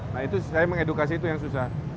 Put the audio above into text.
nah itu saya mengedukasi itu yang susah